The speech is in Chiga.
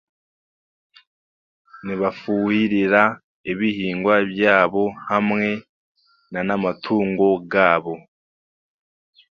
Nibafuuhirira ebihingwa byabyo hamwe nana amatungo gaabo.